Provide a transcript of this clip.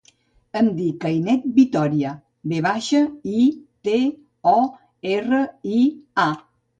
Em dic Ainet Vitoria: ve baixa, i, te, o, erra, i, a.